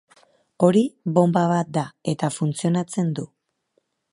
Hori bonba bat da, eta funtzionatzen du.